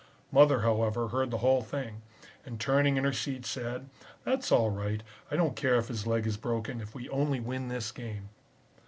Mother, however, heard the whole thing, and turning in her seat said, 'That's all right, I don't care if his leg is broken, if we only win this game.'